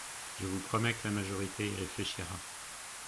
Je vous promets que la majorité y réfléchira.